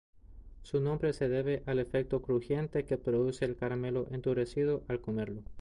Su nombre se debe al efecto crujiente que produce el caramelo endurecido al comerlo.